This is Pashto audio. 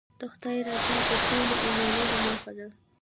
د خدای رضا د ټولو عملونو موخه ده.